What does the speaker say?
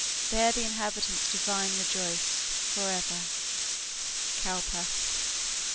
There the inhabitants divine rejoice Forever" Cowper.